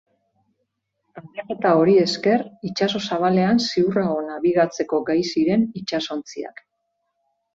Aldaketa hori ezker itsaso zabalean ziurrago nabigatzeko gai ziren itsasontziak.